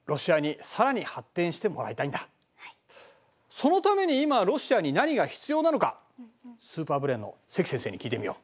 そのために今ロシアに何が必要なのかスーパーブレーンの関先生に聞いてみよう。